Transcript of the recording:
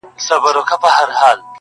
• واکمن به نامحرمه د بابا د قلا نه وي -